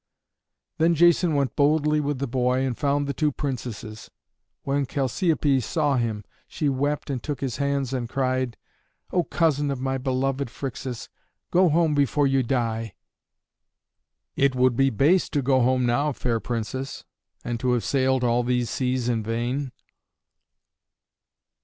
Then Jason went boldly with the boy and found the two Princesses. When Chalciope saw him, she wept and took his hands and cried, "O cousin of my beloved Phrixus, go home before you die!" "It would be base to go home now, fair Princess, and to have sailed all these seas in vain."